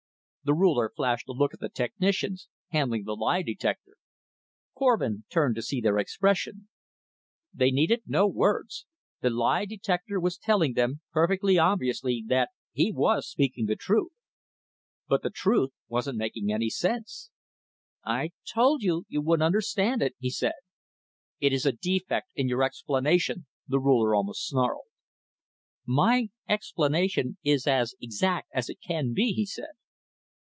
The Ruler flashed a look at the technicians handling the lie detector. Korvin turned to see their expression. They needed no words; the lie detector was telling them, perfectly obviously, that he was speaking the truth. But the truth wasn't making any sense. "I told you you wouldn't understand it," he said. "It is a defect in your explanation," the Ruler almost snarled. "My explanation is as exact as it can be," he said.